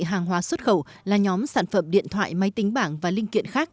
giá trị hàng hóa xuất khẩu là nhóm sản phẩm điện thoại máy tính bảng và linh kiện khác